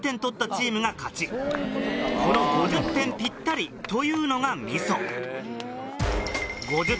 この５０点ピッタリというのが味噌。